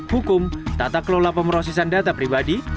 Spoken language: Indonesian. hukum tata kelola pemrosesan data pribadi